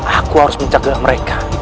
aku harus menjaga mereka